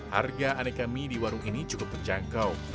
harga aneka mie di warung ini cukup terjangkau